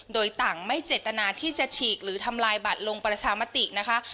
โดยต่างไม่เจตนาที่จะฉีกหรือทำลายบัตรลงประชามตินะคะ